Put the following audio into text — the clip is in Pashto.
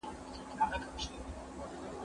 نه باد وهلي يو، نه لمر سوځلي يو.